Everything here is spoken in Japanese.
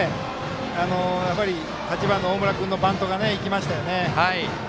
８番の大村君のバントが生きましたね。